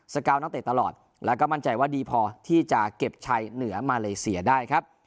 กาวนักเตะตลอดแล้วก็มั่นใจว่าดีพอที่จะเก็บชัยเหนือมาเลเซียได้ครับ